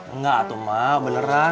enggak tuh mak beneran